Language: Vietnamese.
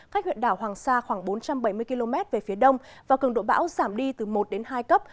cách huyện đảo hoàng sa khoảng bốn trăm bảy mươi km về phía đông và cường độ bão giảm đi từ một đến hai cấp